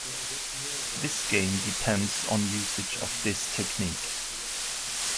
This game depends on usage of this technique.